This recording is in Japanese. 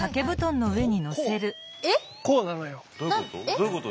どういうこと？